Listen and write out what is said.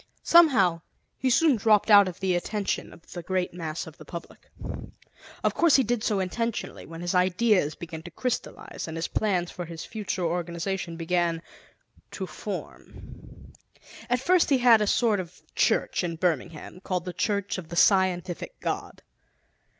Somehow, he soon dropped out of the attention of the great mass of the public. Of course, he did so intentionally, when his ideas began to crystallize and his plans for his future organization began to form. At first he had a sort of church in Birmingham, called The Church of the Scientific God.